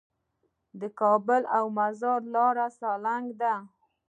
د کابل او مزار لاره د سالنګ ده